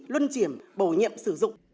luân triểm bổ nhiệm sử dụng